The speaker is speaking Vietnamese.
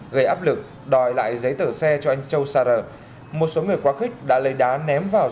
gây áp lực đòi lại giấy tờ xe cho anh châu sar một số người quá khích đã lấy đá ném vào